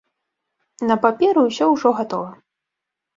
На паперы ўсё ўжо гатова.